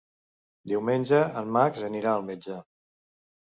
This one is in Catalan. Diumenge en Max anirà al metge.